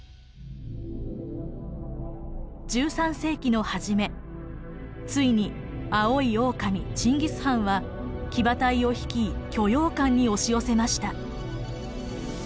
１３世紀の初めついに蒼い狼チンギス・ハンは騎馬隊を率い居庸関に押し寄せました。